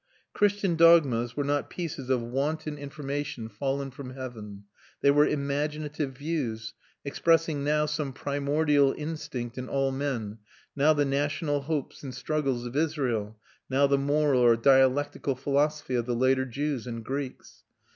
Christian dogmas were not pieces of wanton information fallen from heaven; they were imaginative views, expressing now some primordial instinct in all men, now the national hopes and struggles of Israel, now the moral or dialectical philosophy of the later Jews and Greeks.